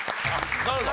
なるほど。